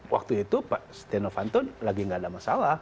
itu kan waktu itu pak setihan ovanto lagi nggak ada masalah